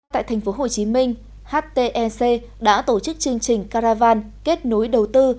tại thành phố hồ chí minh htec đã tổ chức chương trình caravan kết nối đầu tư